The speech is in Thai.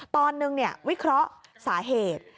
ตอนนึงวิเคราะห์สาเหตุ